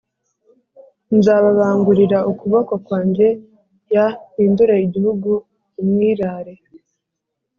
Nzababangurira ukuboko kwanjye y mpindure igihugu umwirare